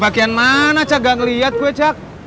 kek bagian mana jak gak ngeliat gue jak